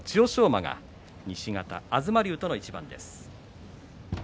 馬が西方東龍との一番です。